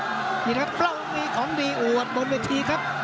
นี่แหละครับเปล่ามีของดีอู๊วอะบนทรงชาติครับ